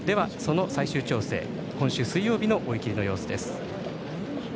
最終調整今週水曜日の追い切りの様子です。